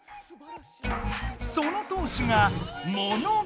その当主がモノバア。